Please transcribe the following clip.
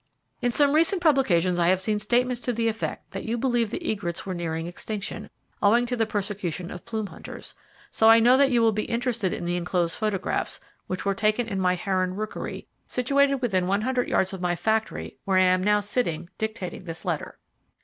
In some recent publications I have seen statements to the effect that you believed the egrets were nearing extinction, owing to the persecution of plume hunters, so I know that you will be interested in the enclosed photographs, which were taken in my heron rookery, situated within 100 yards of my factory, where I am now sitting dictating this letter.